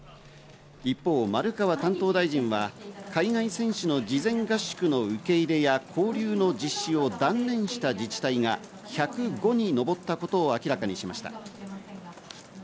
一方、丸川担当大臣は海外選手の事前合宿の受け入れや交流の実施を断念した自治体が１０５に上ったことを明らかにしました。